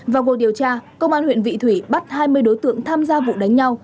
vào cuộc điều tra công an huyện vị thủy bắt hai mươi đối tượng tham gia vụ đánh nhau